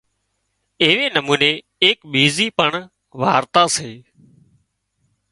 ايوي نموني اِيڪ ٻيزي پڻ وارتا سي